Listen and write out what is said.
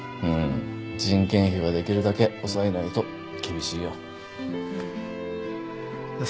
うん人件費はできるだけ抑えないと厳しいよ。